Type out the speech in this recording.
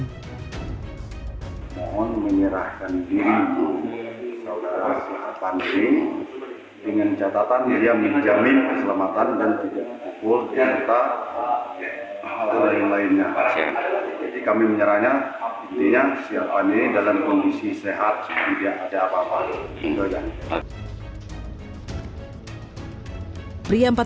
kami menyerahnya intinya si ervan ini dalam kondisi sehat tidak ada apa apa